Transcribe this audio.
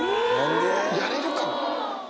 やれるかも。